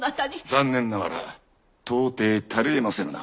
残念ながら到底足りえませぬな。